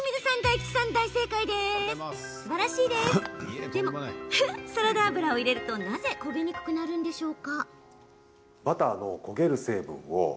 でも、サラダ油を入れるとなぜ焦げにくくなるのでしょう。